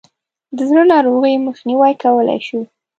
د زړه ناروغیو مخنیوی کولای شو.